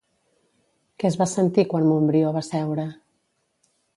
Què es va sentir quan Montbrió va seure?